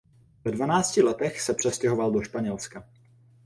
Ve dvanácti letech se přestěhoval do Španělska.